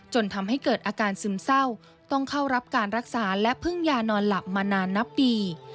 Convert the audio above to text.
จนทำให้เกิดอาการซึมเศร้าต้องเข้ารับการรักษาและพึ่งยานอนหลับมานานนับปี